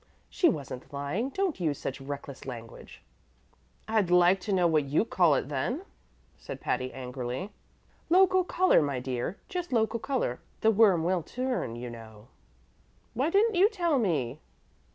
"She wasn't lying. Don't use such reckless language." "I'd like to know what you call it, then?" said Patty, angrily. "Local color, my dear, just local color. The worm will turn, you know." "Why didn't you tell me?"